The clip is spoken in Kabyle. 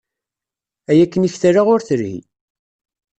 Ay akken i ktaleɣ ur telhi.